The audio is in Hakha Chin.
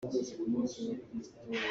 A cherh a sau ngai.